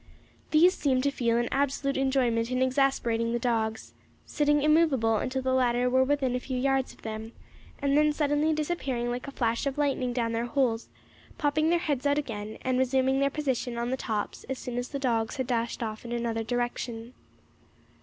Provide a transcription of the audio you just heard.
These seemed to feel an absolute enjoyment in exasperating the dogs, sitting immovable until the latter were within a few yards of them, and then suddenly disappearing like a flash of lightning down their holes, popping their heads out again and resuming their position on the tops as soon as the dogs had dashed off in another direction.